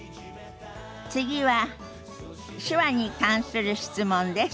次は手話に関する質問です。